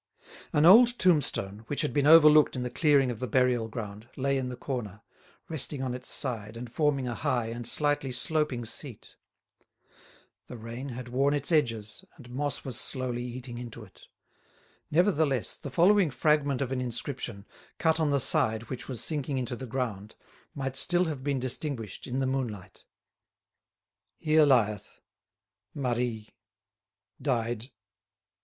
An old tombstone, which had been overlooked in the clearing of the burial ground, lay in the corner, resting on its side and forming a high and slightly sloping seat. The rain had worn its edges, and moss was slowly eating into it. Nevertheless, the following fragment of an inscription, cut on the side which was sinking into the ground, might still have been distinguished in the moonlight: "_Here lieth ... Marie ... died